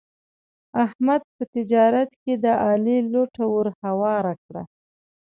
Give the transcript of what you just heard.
احمد په تجارت کې د علي لوټه ور هواره کړله.